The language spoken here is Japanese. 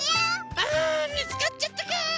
あみつかっちゃったか。